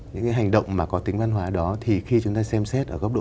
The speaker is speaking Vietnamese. những cái hành động mà có tính văn hóa đó thì khi chúng ta xem xét ở góc độ